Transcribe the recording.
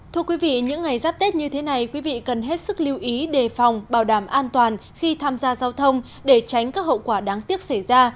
thưa quý vị những ngày giáp tết như thế này quý vị cần hết sức lưu ý đề phòng bảo đảm an toàn khi tham gia giao thông để tránh các hậu quả đáng tiếc xảy ra